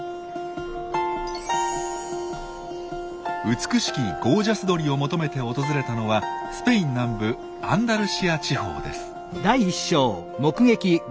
美しきゴージャス鳥を求めて訪れたのはスペイン南部アンダルシア地方です。